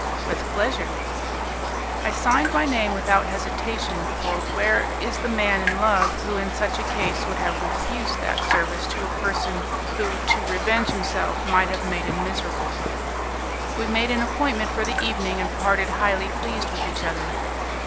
"With pleasure." I signed my name without hesitation, for where is the man in love who in such a case would have refused that service to a person who to revenge himself might have made him miserable? We made an appointment for the evening, and parted highly pleased with each other.